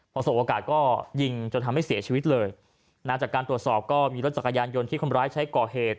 พอสบโอกาสก็ยิงจนทำให้เสียชีวิตเลยนะจากการตรวจสอบก็มีรถจักรยานยนต์ที่คนร้ายใช้ก่อเหตุ